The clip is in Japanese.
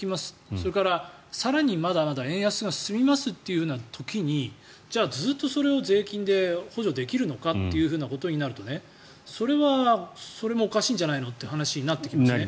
それから更にまだまだ円安が進みますという時にじゃあ、ずっとそれを税金で補助できるのかということになるとそれは、それもおかしいんじゃないのって話になってきますね。